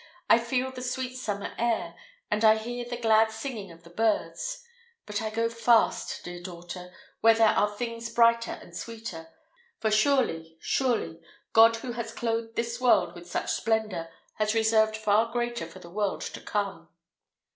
I feel the sweet summer air, and I hear the glad singing of the birds; but I go fast, dear daughter, where there are things brighter and sweeter; for surely, surely, God, who has clothed this world with such splendour, has reserved far greater for the world to come."